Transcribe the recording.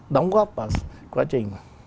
đóng góp vào quá trình